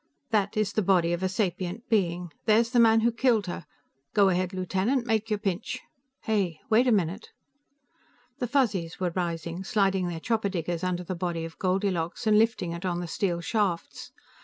"That is the body of a sapient being. There's the man who killed her. Go ahead, Lieutenant, make your pinch." "Hey! Wait a minute!" The Fuzzies were rising, sliding their chopper diggers under the body of Goldilocks and lifting it on the steel shafts.